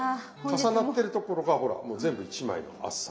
重なってるところがほらもう全部１枚の厚さ。